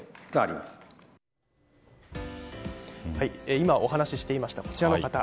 今、お話していましたこちらの方